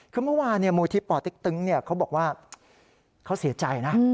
คือเมื่อวานมูลที่ปติ๊กตึงเขาบอกว่าเขาเสียใจนะ